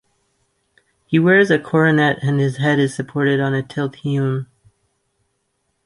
He wears a coronet and his head is supported on a tilt-heaume.